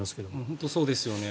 本当にそうですよね。